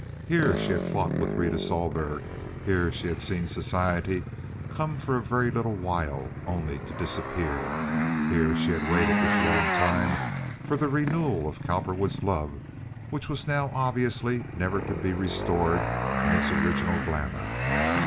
Here she had fought with Rita Sohlberg; here she had seen society come for a very little while only to disappear; here she had waited this long time for the renewal of Cowperwood's love, which was now obviously never to be restored in its original glamour.